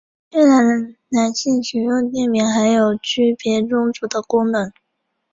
越南男性使用垫名还有区别宗族的功能。